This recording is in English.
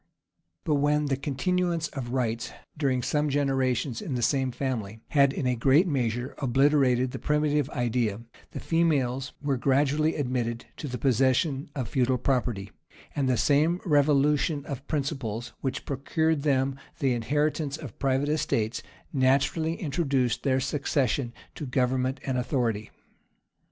But when the continuance of rights, during some generations, in the same family, had, in a great measure, obliterated the primitive idea, the females were gradually admitted to the possession of feudal property; and the same revolution of principles which procured them the inheritance of private estates, naturally introduced their succession to government and authority.